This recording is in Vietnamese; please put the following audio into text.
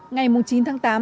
ngày chín tháng tám